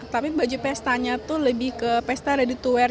tapi baju pestanya tuh lebih ke pesta ready to wear